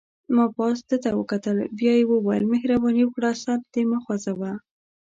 ما پاس ده ته وکتل، بیا یې وویل: مهرباني وکړه سر دې مه خوځوه.